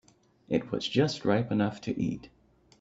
It was just ripe enough to eat.